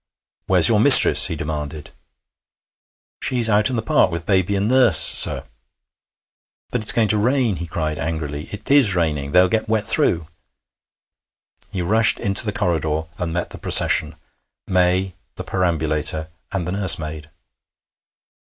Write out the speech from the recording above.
'Where's your mistress?' he demanded. 'She's out in the park with baby and nurse, sir.' 'But it's going to rain,' he cried angrily. 'It is raining. They'll get wet through.' He rushed into the corridor, and met the procession May, the perambulator, and the nursemaid.